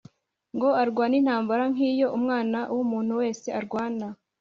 ngo arwane intambara nk’iyo umwana w’umuntu wese arwana